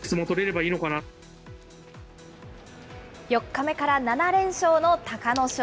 ４日目から７連勝の隆の勝。